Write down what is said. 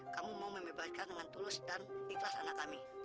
kamu mau membebaskan dengan tulus dan ikhlas anak kami